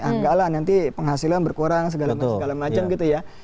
nanti penghasilan berkurang segala macam gitu ya